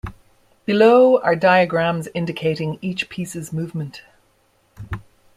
Below are diagrams indicating each piece's movement.